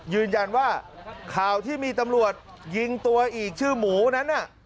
ยืนยันว่าข่าวที่มีตำรวจยิงตัวอีกชื่อหมูนั้นน่ะ